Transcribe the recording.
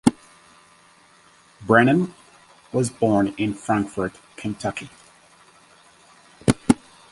Brenham was born in Frankfort, Kentucky.